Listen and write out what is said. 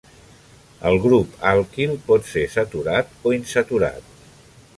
El grup alquil pot ser saturat o insaturat.